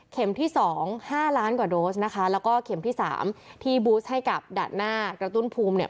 ที่สองห้าล้านกว่าโดสนะคะแล้วก็เข็มที่สามที่บูสให้กับด่านหน้ากระตุ้นภูมิเนี่ย